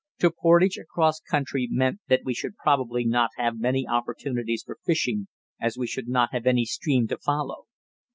To portage across country meant that we should probably not have many opportunities for fishing, as we should not have any stream to follow.